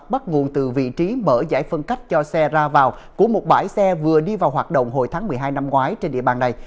bắt nguồn từ vị trí mở giải phân cách cho xe ra vào của một bãi xe vừa đi vào hoạt động hồi tháng một mươi hai năm ngoái trên địa bàn này